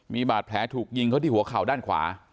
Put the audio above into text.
มีบาดแผลถูกยิงเขาที่หัวเข่าด้านขวา